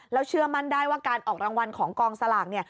แล้วเชื่อมั่นได้ว่าการออกรางวัลของกองสลากเนี่ย